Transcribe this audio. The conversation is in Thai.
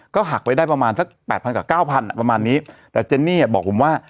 ก็หักไปได้ประมาณสักแปดพันกับเก้าพันอ่ะประมาณนี้แต่เจนนี่บอกผมว่า